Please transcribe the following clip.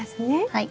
はい。